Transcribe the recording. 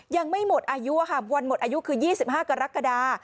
ยังไม่หมดอายุค่ะวันหมดอายุคือ๒๕กรกฎา